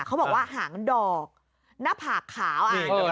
เขาบอกว่าหางดอกหน้าผากขาวอ่าน